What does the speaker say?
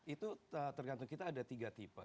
itu tergantung kita ada tiga tipe